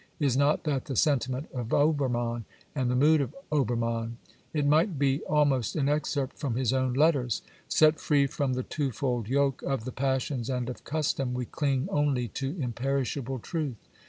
Is not that the sentiment of Obermann and the mood of Obermann ? It might be almost an excerpt from his own letters. " Set free from the twofold yoke of the passions and of custom, we cling only to imperishable truth."